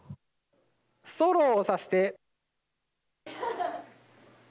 ストローをさして。